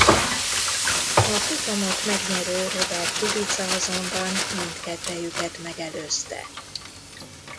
A futamot megnyerő Robert Kubica azonban mindkettejüket megelőzte.